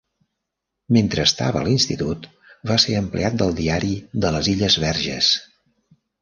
Mentre estava a l'institut va ser empleat pel Diari de les Illes Verges.